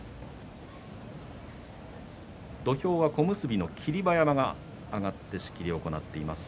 土俵は、小結の霧馬山が上がって仕切りを行っています。